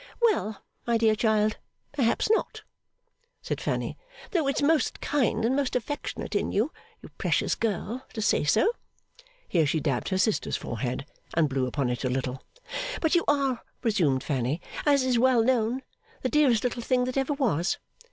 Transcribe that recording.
'Well, my dear child, perhaps not,' said Fanny, 'though it's most kind and most affectionate in you, you precious girl, to say so.' Here she dabbed her sister's forehead, and blew upon it a little. 'But you are,' resumed Fanny, 'as is well known, the dearest little thing that ever was!